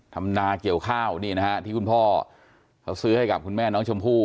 ธรรมดาเกี่ยวข้าวที่คุณพ่อซื้อให้กับคุณแม่น้องชมพู่